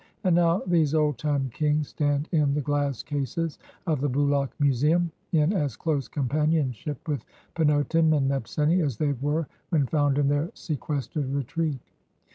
And now these old time kings stand in the glass cases of the Bulaq Museum, in as close companionship with Pinotem and Nebseni as they were when found in their sequestered retreat.